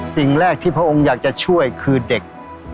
สิ่งแรกที่พระองค์อยากจะช่วยคือเด็ก